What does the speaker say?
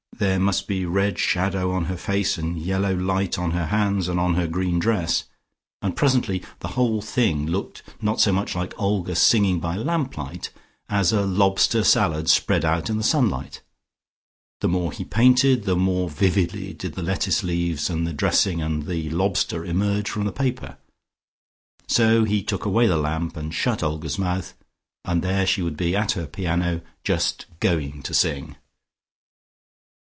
There must be red shadow on her face and yellow light on her hands, and on her green dress, and presently the whole thing looked not so much like Olga singing by lamp light, as a lobster salad spread out in the sunlight. The more he painted, the more vividly did the lettuce leaves and the dressing and the lobster emerge from the paper. So he took away the lamp, and shut Olga's mouth, and there she would be at her piano just going to sing.